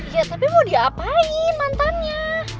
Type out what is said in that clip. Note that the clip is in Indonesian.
yes tapi mau diapain mantannya